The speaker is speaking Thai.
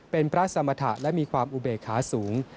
เป็นพระสมรรถะและมีความอุเบคาสูง